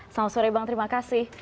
selamat sore bang terima kasih